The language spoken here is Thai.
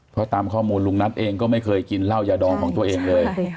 เพราะตามข้อมูลลุงนัทเองก็ไม่เคยกินเหล้ายาดองของตัวเองเลย